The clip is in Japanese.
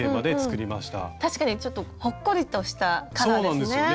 確かにほっこりとしたカラーですね。